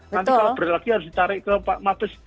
nanti kalau berlaki harus ditarik ke mabes